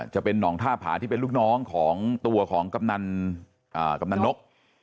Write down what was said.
จะเป็นหนองท่าผาที่เป็นลูกน้องของตัวของกำนันนก